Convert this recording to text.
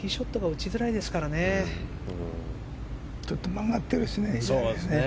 ちょっと曲がってるしね。